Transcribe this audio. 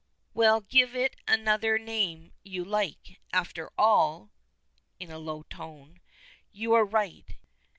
"Well, give it any other name you like. And after all," in a low tone, "you are right.